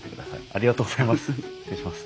ありがとうございます。